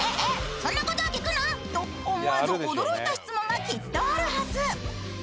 そんなことを聞くの？」と思わず驚いた質問がきっとあるはず